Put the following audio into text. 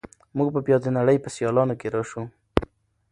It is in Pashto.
موږ به بیا د نړۍ په سیالانو کې راشو.